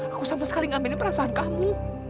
aku sama sekali gak mainin perasaan kamu